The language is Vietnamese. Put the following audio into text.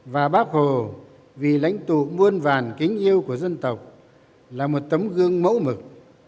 và bác hồ vì lãnh tụ muôn vàn kính yêu của dân tộc là một tấm gương mẫu mực